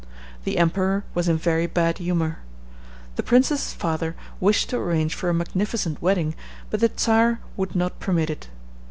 The emperor was in very bad humor. The princess's father wished to arrange for a magnificent wedding, but the Czar would not permit it.